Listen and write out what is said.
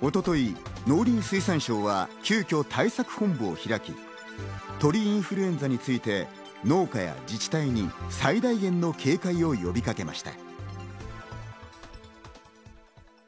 一昨日、農林水産省は急きょ対策本部会議を開き、鳥インフルエンザについて農家や自治体に最大限の警戒を呼びかけました。